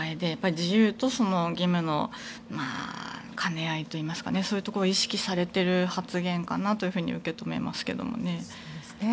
自由と義務の兼ね合いといいますかそういうところを意識されている発言かなと受け止めますけれどもね。